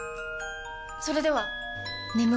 それでは！